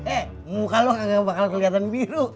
eh muka lo enggak bakal kelihatan biru